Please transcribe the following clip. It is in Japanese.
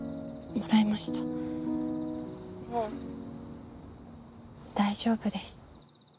もう大丈夫です。